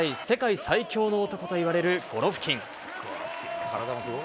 世界最強の男といわれるゴロフキン。